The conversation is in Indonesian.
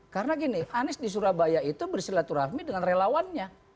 karena gini anies di surabaya itu bersilaturahmi dengan relawannya